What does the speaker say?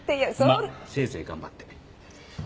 まあせいぜい頑張って。